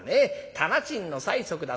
店賃の催促だ。